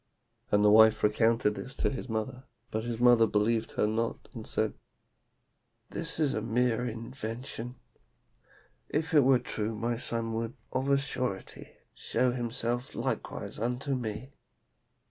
And the wife recounted this to his mother, but his mother believed her not, and said, 'This is a mere invention. If it were true my son would, of a surety, show himself likewise unto me.